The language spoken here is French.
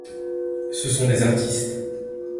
Ce sont des artistes.